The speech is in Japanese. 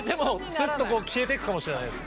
すっとこう消えてくかもしれないです。